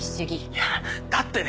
いやだってね。